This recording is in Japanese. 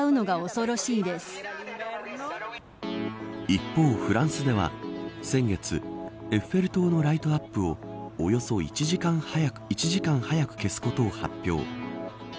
一方、フランスでは先月エッフェル塔のライトアップをおよそ１時間早く消すことを発表。